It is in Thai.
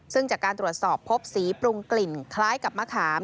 ซึ่งจากการตรวจสอบพบสีปรุงกลิ่นคล้ายกับมะขาม